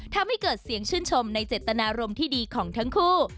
ทำให้เกิดเสียงชื่นชมในเจตนารมณ์ที่ดีของทั้งคู่